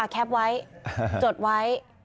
แคปไว้จดไว้